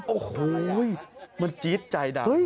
โอ้โหมันจี๊ดใจดัง